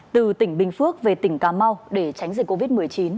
từ tỉnh bình phước về tỉnh cà mau để tránh dịch covid một mươi chín